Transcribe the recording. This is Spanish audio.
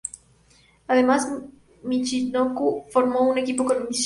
Además, Michinoku formó un equipo con Shiryu.